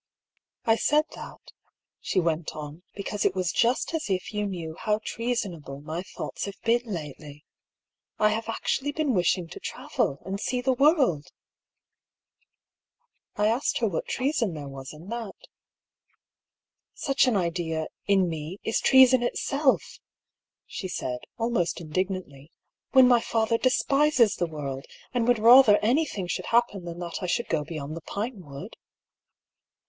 " I said that," she went on, " because it was just as if you knew how treasonable my thoughts have been lately. I have actually been wishing to travel, and see the world !" I asked her what treason there was in that. " Such an idea, in me, is treason itself !" she said, al most indignantly —" when my father despises the world, and would rather anything should happen than that I should go beyond the Pinewood."